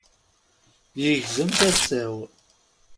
Yegzem tasa-w.